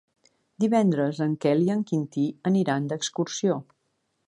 Divendres en Quel i en Quintí aniran d'excursió.